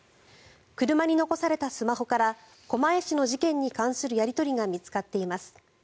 車に残されたスマホから狛江市の事件に関するやり取りが見つかっています。